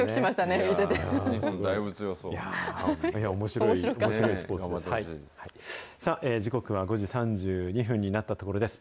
さあ、時刻は５時３２分になったところです。